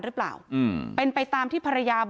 ก็คุณตามมาอยู่กรงกีฬาดครับ